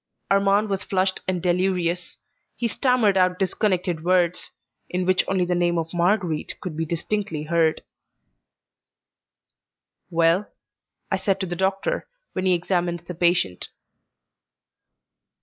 Armand was flushed and delirious; he stammered out disconnected words, in which only the name of Marguerite could be distinctly heard. "Well?" I said to the doctor when he had examined the patient.